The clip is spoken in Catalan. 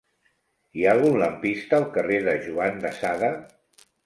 Hi ha algun lampista al carrer de Juan de Sada?